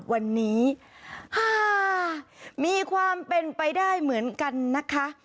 วันนี้๕มีความเป็นไปได้เหมือนกันนะคะ